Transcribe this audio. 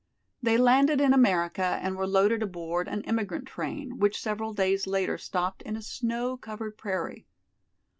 They landed in America and were loaded aboard an immigrant train, which several days later stopped in a snow covered prairie.